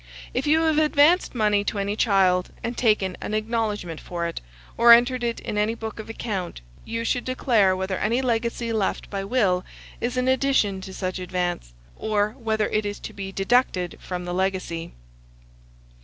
If you have advanced money to any child, and taken an acknowledgment for it, or entered it in any book of account, you should declare whether any legacy left by will is in addition to such advance, or whether it is to be deducted from the legacy.